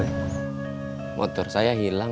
itu maksudnya aku udah bilang